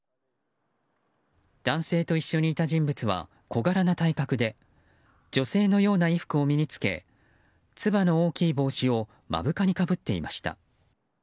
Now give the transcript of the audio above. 男性と一緒にいた人物は小柄な体格で女性のような衣服を身に着けつばの大きい帽子を目深にかぶっていました。